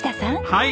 はい！